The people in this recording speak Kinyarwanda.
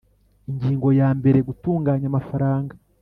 Ingingo ya mbere Gutunganya amafaranga